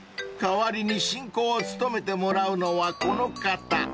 ［代わりに進行を務めてもらうのはこの方］